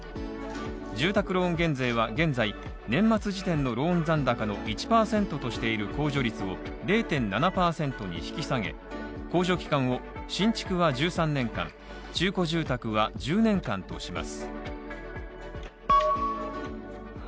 住宅ローン減税は現在、年末時点のローン残高の１％としている控除率を０．７％に引き下げ控除期間を新築は１３年間、中古住宅は１０年間とします。